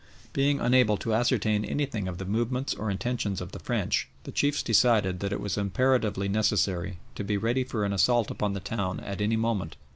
Being unable to ascertain anything of the movements or intentions of the French, the chiefs decided that it was imperatively necessary to be ready for an assault upon the town at any moment.